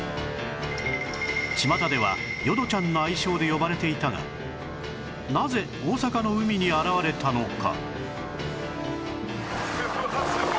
ちまたでは「淀ちゃん」の愛称で呼ばれていたがなぜ大阪の海に現れたのか？